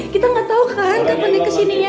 kita gak tau kan kapan dia kesininya